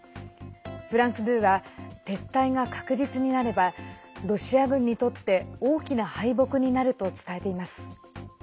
フランス２は、撤退が確実になればロシア軍にとって大きな敗北になると伝えています。